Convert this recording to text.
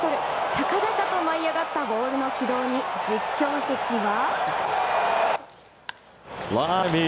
高々と舞い上がったボールの軌道に、実況席は。